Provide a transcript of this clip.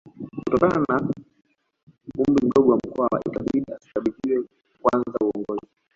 Kutokana na umri mdogo wa Mkwawa ikabidi asikabidhiwe kwanza uongozi